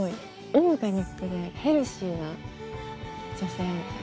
オーガニックでヘルシーな女性。